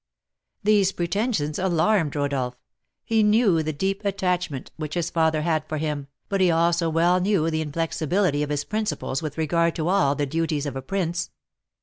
These pretensions alarmed Rodolph: he knew the deep attachment which his father had for him, but he also well knew the inflexibility of his principles with regard to all the duties of a prince.